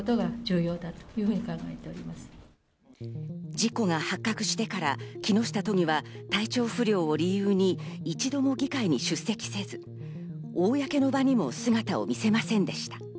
事故が発覚してから木下都議は体調不良を理由に一度も議会に出席せず、公の場にも姿を見せませんでした。